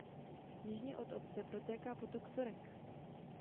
Jižně od obce protéká potok Sorek.